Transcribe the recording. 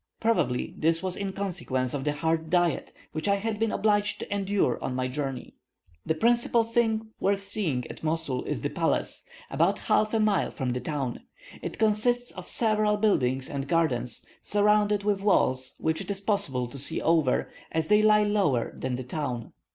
Probably this was in consequence of the hard diet which I had been obliged to endure on my journey. The principal thing worth seeing at Mosul is the palace, about half a mile from the town. It consists of several buildings and gardens, surrounded with walls which it is possible to see over, as they lie lower than the town.